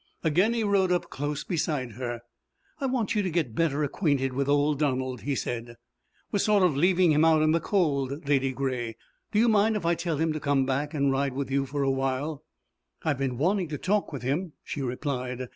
Again he rode up close beside her. "I want you to get better acquainted with old Donald," he said. "We're sort of leaving him out in the cold, Ladygray. Do you mind if I tell him to come back and ride with you for a while?" "I've been wanting to talk with him," she replied.